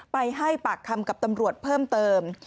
ไปให้ปากคำกับตำรวจเพิ่มเติม